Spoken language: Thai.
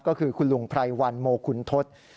ก็คือคุณลุงไพรวันโมคุณทศ